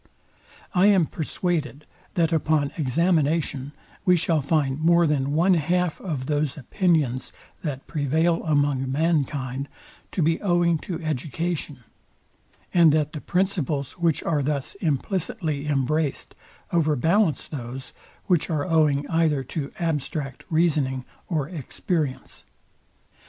I am persuaded, that upon examination we shall find more than one half of those opinions, that prevail among mankind, to be owing to education, and that the principles, which are thus implicitely embraced, overballance those, which are owing either to abstract reasoning or experience.